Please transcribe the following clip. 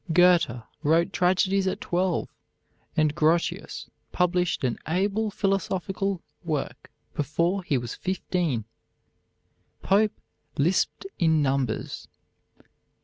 Goethe wrote tragedies at twelve, and Grotius published an able philosophical work before he was fifteen. Pope "lisped in numbers."